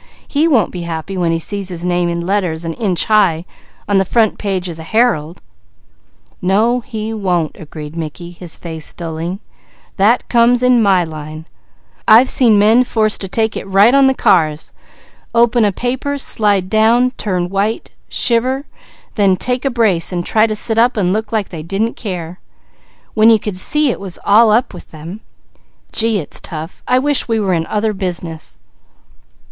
He won't be happy when he sees his name in letters an inch high on the front page of the Herald." "No, he won't," agreed Mickey, his face dulling. "That comes in my line. I've seen men forced to take it right on the cars. Open a paper, slide down, turn white, shiver, then take a brace and try to sit up and look like they didn't care, when you could see it was all up with them. Gee, it's tough! I wish we were in other business."